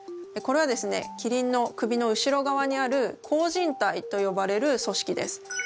これはですねキリンの首の後ろ側にある項靱帯と呼ばれる組織です。